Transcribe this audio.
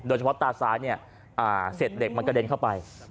ตาซ้ายเนี่ยเสร็จเหล็กมันกระเด็นเข้าไป